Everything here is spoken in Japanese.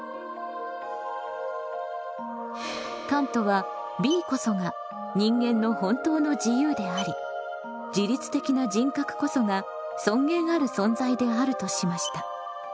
カントはＢこそが人間の本当の自由であり自律的な人格こそが尊厳ある存在であるとしました。